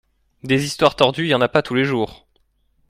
des histoires tordues y’en a pas tous les jours